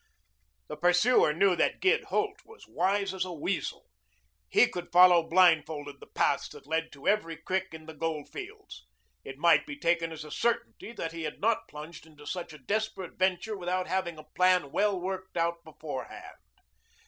The pursuer knew that Gid Holt was wise as a weasel. He could follow blindfolded the paths that led to every creek in the gold fields. It might be taken as a certainty that he had not plunged into such a desperate venture without having a plan well worked out beforehand.